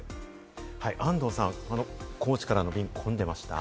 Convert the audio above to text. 安藤さん、高知からの便、混んでいました。